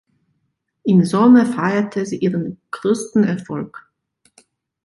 Im Sommer feierte sie ihren größten Erfolg.